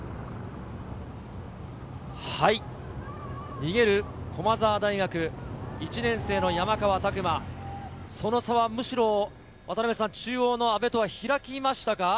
逃げる駒澤大学、１年生の山川拓馬、その差はむしろ中央の阿部とは開きましたか。